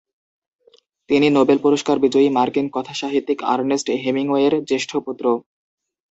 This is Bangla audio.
তিনি নোবেল পুরস্কার বিজয়ী মার্কিন কথাসাহিত্যিক আর্নেস্ট হেমিংওয়ের জ্যেষ্ঠ পুত্র।